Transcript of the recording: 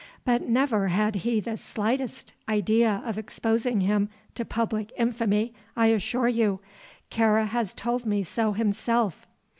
But never had he the slightest idea of exposing him to public infamy, I assure you. Kāra has told me so himself."